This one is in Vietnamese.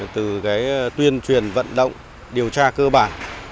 từ tuyên truyền vận động điều tra cơ bản